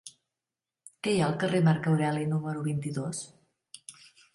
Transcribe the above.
Què hi ha al carrer de Marc Aureli número vint-i-dos?